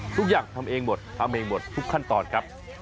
ทำเองหมดทำเองหมดทุกขั้นตอนครับ